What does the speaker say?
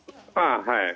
はい。